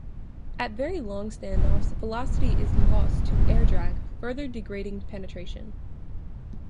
At very long standoffs, velocity is lost to air drag, further degrading penetration.